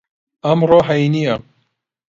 ئەمڕۆ هەینییە.